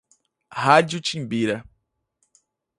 Rádio Timbira